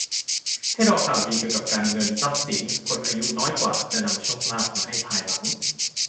ให้รอข่าวดีเกี่ยวกับการเงิน ทรัพย์สิน คนอายุน้อยกว่าจะนำโชคลาภมาให้ภายหลัง